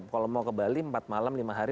kalau mau ke bali empat malam lima hari